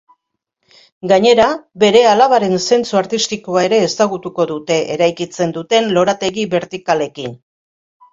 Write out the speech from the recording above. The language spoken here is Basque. Gainera, bere alabaren zentzu artistikoa ere ezagutuko dute eraikitzen dituen lorategi bertikalekin.